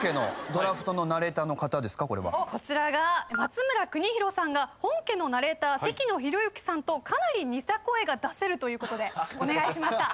こちらが松村邦洋さんが本家のナレーター関野浩之さんとかなり似た声が出せるということでお願いしました。